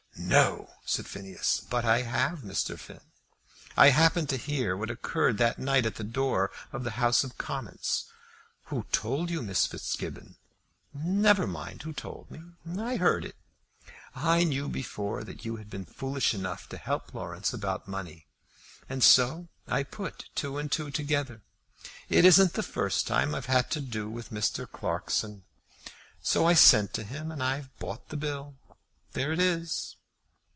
"No!" said Phineas. "But I have, Mr. Finn. I happened to hear what occurred that night at the door of the House of Commons." "Who told you, Miss Fitzgibbon?" "Never mind who told me. I heard it. I knew before that you had been foolish enough to help Laurence about money, and so I put two and two together. It isn't the first time I have had to do with Mr. Clarkson. So I sent to him, and I've bought the bill. There it is."